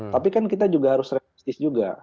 tapi kan kita juga harus realistis juga